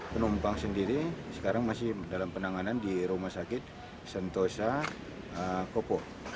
penumpang sendiri sekarang masih dalam penanganan di rumah sakit sentosa kopo